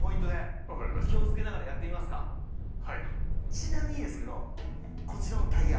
ちなみにですけどこちらのタイヤ。